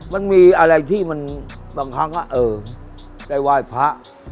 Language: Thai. มันมีอะไรที่มันบางครั้งก็เออได้ไหว้พระ